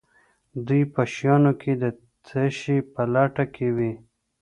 دوی په شیانو کې د تشې په لټه کې وي.